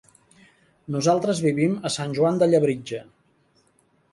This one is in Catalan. Nosaltres vivim a Sant Joan de Labritja.